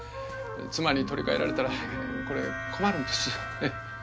妻に取り替えられたらこれ困るんですよ。